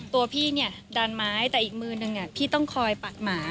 ตัวพี่เนี่ยดันไม้แต่อีกมือนึงพี่ต้องคอยปัดหมา